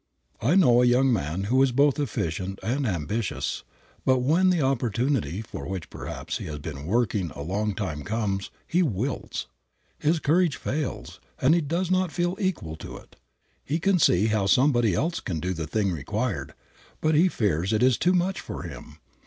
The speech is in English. I know a young man who is both efficient and ambitious, but when the opportunity for which, perhaps, he has been working a long time comes, he wilts. His courage fails and he does not feel equal to it. He can see how somebody else can do the thing required, but he fears it is too much for him.